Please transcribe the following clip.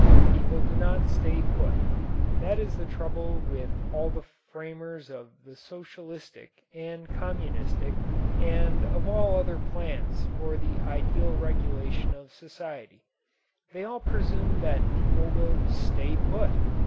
People do not stay put. That is the trouble with all the framers of Socialistic and Communistic, and of all other plans for the ideal regulation of society. They all presume that people will stay put.